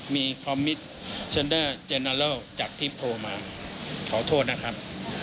มีคอมมิตชั่นเดอร์เจนเวอร์ลจากที่โทรมาขอโทษนะครับ